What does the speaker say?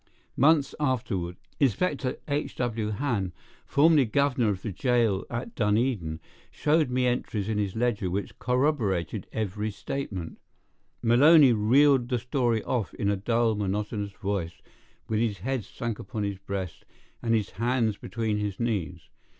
Months afterward, Inspector H. W. Hann, formerly governor of the jail at Dunedin, showed me entries in his ledger which corroborated every statement Maloney reeled the story off in a dull, monotonous voice, with his head sunk upon his breast and his hands between his knees.